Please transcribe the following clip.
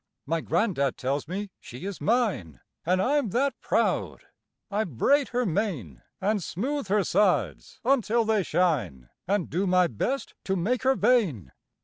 My gran'dad tells me she is mine, An' I'm that proud! I braid her mane, An' smooth her sides until they shine, An' do my best to make her vain.